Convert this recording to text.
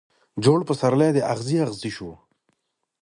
جوړ پسرلی دي اغزی اغزی سو